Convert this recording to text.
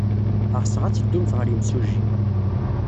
Ɣseɣ ad teddumt ɣer yimsujji.